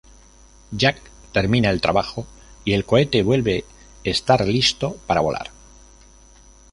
Jack termina el trabajo, y el cohete vuelve estar listo para volar.